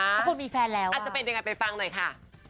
อาจจะเป็นยังไงไปฟังหน่อยค่ะ